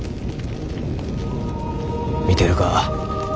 見てるか。